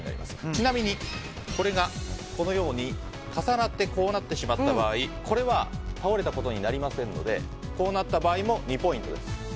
ちなみにこれがこのように重なってしまった場合これは倒れたことになりませんのでこうなった場合も２ポイントです。